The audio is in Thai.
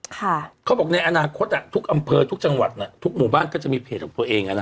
เขาบอกในอนาคตอ่ะทุกอำเภอทุกจังหวัดน่ะทุกหมู่บ้านก็จะมีเพจของตัวเองอ่ะนะ